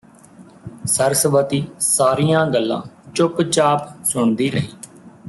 ਸਰਸਵਤੀ ਸਾਰੀਆਂ ਗੱਲਾਂ ਚੁੱਪਚਾਪ ਸੁਣਦੀ ਰਹੀ